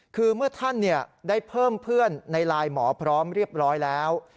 คือเมื่อท่านได้เพิ่มเพื่อนในไลน์หมอพร้อมเรียบร้อยแล้ว